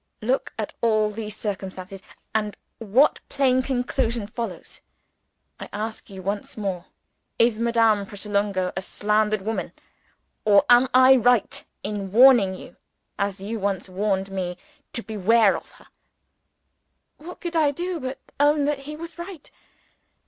Look at all these circumstances and what plain conclusion follows? I ask you once more Is Madame Pratolungo a slandered woman? or am I right in warning you (as you once warned me) to beware of her?" What could I do but own that he was right?